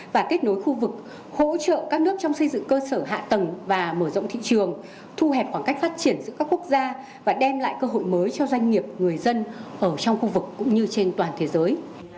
và kết nối khu vực hỗ trợ các nước trong xây dựng cơ sở hạ tầng và mở rộng thị trường thu hẹp khoảng cách phát triển giữa các quốc gia và đem lại cơ hội mới cho doanh nghiệp người dân ở trong khu vực cũng như trên toàn thế giới